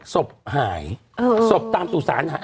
ศพหายศพตามสู่ศาล